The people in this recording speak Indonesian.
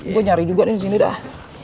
gue nyari juga nih disini dah